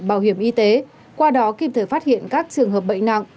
bảo hiểm y tế qua đó kịp thời phát hiện các trường hợp bệnh nặng